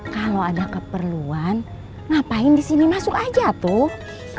kalau ada keperluan ngapain disini masuk aja tuh